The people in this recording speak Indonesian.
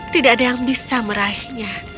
tidak ada yang bisa meraihnya